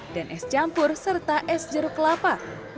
dan es campur serta es jeruk kelapa